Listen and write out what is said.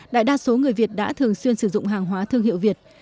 đại đa số người việt đã thường xuyên sử dụng hàng hóa thương hiệu việt